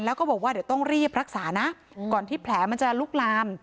แล้วก็บอกว่าเดี๋ยวต้องรีบรักษานะก่อนที่แผลมันจะลุกลาม